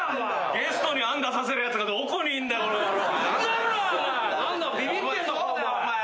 ゲストに案出させるやつがどこにいんだよこの野郎。